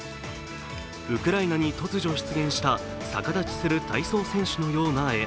ウクライナに突如出現した、逆立ちする体操選手のような絵